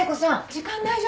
時間大丈夫？